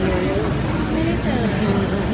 ไม่ได้เจอ